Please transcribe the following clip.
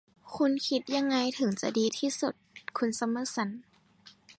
คุณคิดยังไงถึงจะดีที่สุด คุณซัมเมอร์สัน